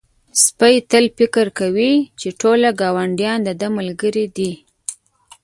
سپی تل فکر کوي چې ټول ګاونډیان د ده ملګري دي.